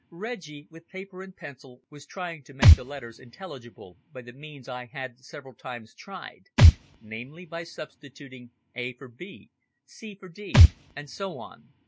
Reggie, with paper and pencil, was trying to make the letters intelligible by the means I had several times tried namely, by substituting A for B, C for D, and so on.